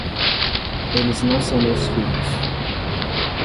Eles não são meus filhos.